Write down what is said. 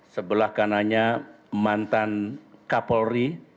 sebelah kanannya mantan kapolri